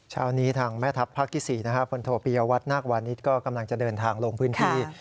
เช้านี้ทางแม่ทัพภาคที่๔นะครับพลโธปียาวัดนักวันนี้ก็กำลังจะเดินทางลงพื้นที่